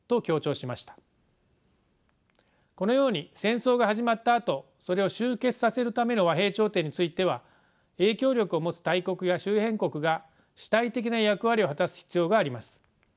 このように戦争が始まったあとそれを終結させるための和平調停については影響力を持つ大国や周辺国が主体的な役割を果たす必要があります。